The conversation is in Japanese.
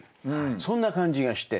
そんな感じがして。